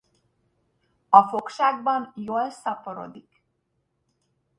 A fogságban jól szaporodik.